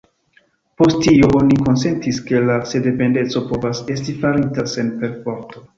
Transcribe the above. Post tio, oni konsentis, ke la sendependeco povas esti farita sen perforto.